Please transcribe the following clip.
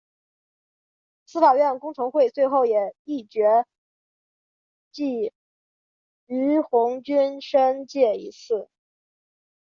司法院公惩会最后也议决记俞鸿钧申诫一次。